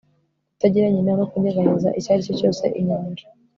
kutagira nyina no kunyeganyeza icyaricyo cyose inyanja